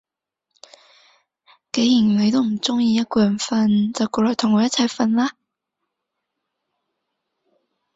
既然你都唔中意一個人瞓，就過嚟同我一齊瞓啦